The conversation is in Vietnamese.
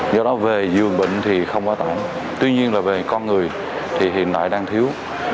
do đó về dường bệnh thì không quá tải tuy nhiên là về con người thì hiện đại đang thiếu